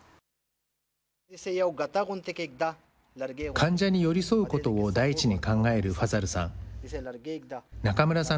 患者に寄り添うことを第一に考えるファザルさん。